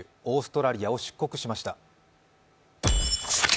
オーストラリアを出国しました。